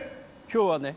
今日はね